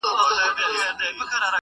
نه مرهم مي دي لیدلي نه مي څرک د طبیبانو،